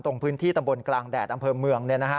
ตรงพื้นที่ตำบลกลางแดดอำเภอเมือง